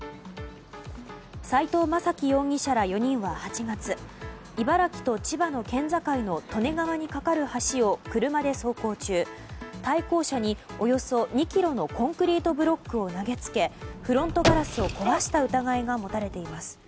斉藤雅樹容疑者ら４人は、８月茨城と千葉の県境の利根川に架かる橋を車で走行中対向車に、およそ２ｋｇのコンクリートブロックを投げつけフロントガラスを壊した疑いが持たれています。